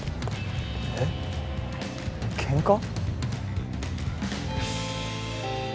えっケンカ？